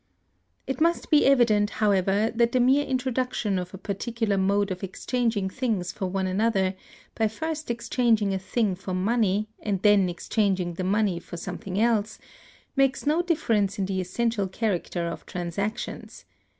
It must be evident, however, that the mere introduction of a particular mode of exchanging things for one another, by first exchanging a thing for money, and then exchanging the money for something else, makes no difference in the essential character of transactions.